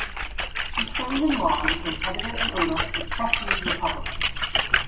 He trained in law and became editor and owner of the "Truckee Republican".